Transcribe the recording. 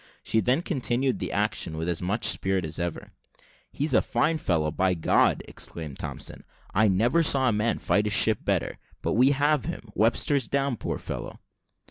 She then continued the action with as much spirit as ever. "He's a fine fellow, by God!" exclaimed Thompson; "I never saw a man fight his ship better: but we have him. Webster's down, poor fellow!"